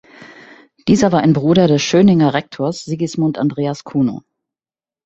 Dieser war ein Bruder des Schöninger Rektors Sigismund Andreas Cuno.